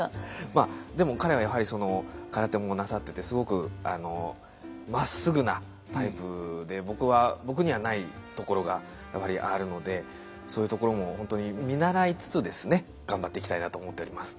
まあでも彼はやはり空手もなさっててすごく真っ直ぐなタイプで僕にはないところがやっぱりあるのでそういうところも本当に見習いつつですね頑張っていきたいなと思っております。